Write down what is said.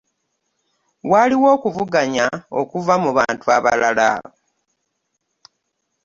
Waliwo okuvuganya okuva mu bantu abalala.